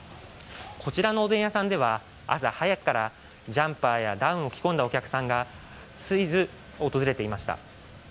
こちらのおでん屋さんでは朝早くからジャンパーやダウンを着込んだお客さんが絶えず訪れていました。